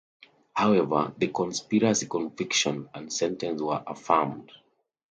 However, the conspiracy conviction and sentence were affirmed.